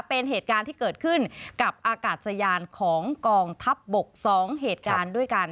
เป็นเหตุการณ์ที่เกิดขึ้นกับอากาศยานของกองทัพบก๒เหตุการณ์ด้วยกัน